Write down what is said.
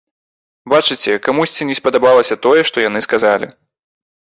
Бачыце, камусьці не спадабалася тое, што яны сказалі!